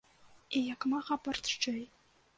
І як мага барзджэй.